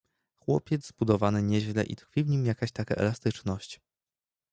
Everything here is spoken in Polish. "Chłopiec zbudowany nieźle i tkwi w nim jakaś taka elastyczność."